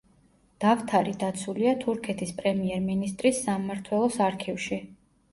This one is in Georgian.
დავთარი დაცულია თურქეთის პრემიერ-მინისტრის სამმართველოს არქივში.